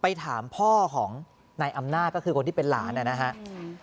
ไปถามพ่อของนายอำนาจก็คือคนที่เป็นหลานนะครับ